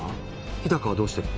日高はどうしてるの？